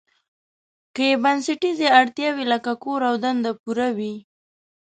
که یې بنسټیزې اړتیاوې لکه کور او دنده پوره وي.